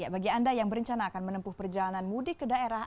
bagi anda yang berencana akan menempuh perjalanan mudik ke daerah